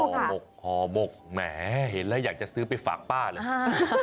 หมกห่อหมกแหมเห็นแล้วอยากจะซื้อไปฝากป้าเลย